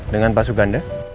dengan pak sugande